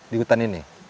di hutan ini